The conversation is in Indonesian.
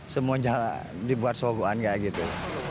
semuanya dibuat sogoan gak gitu